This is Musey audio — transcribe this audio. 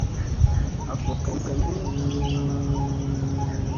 A fokkani an ka min ana aŋ kal varandi.